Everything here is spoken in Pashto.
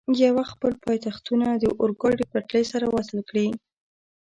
یو وخت خپل پایتختونه د اورګاډي پټلۍ سره وصل کړي.